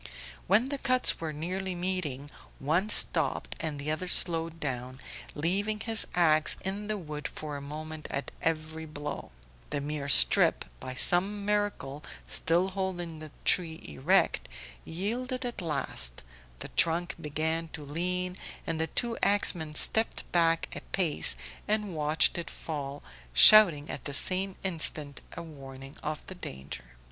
When the cuts were nearly meeting, one stopped and the other slowed down, leaving his ax in the wood for a moment at every blow; the mere strip, by some miracle still holding the tree erect, yielded at last, the trunk began to lean and the two axmen stepped back a pace and watched it fall, shouting at the same instant a warning of the danger.